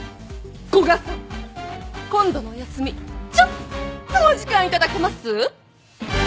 古賀さん今度のお休みちょっとお時間頂けます？